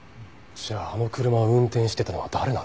じゃああの車を運転してたのは誰なんだ？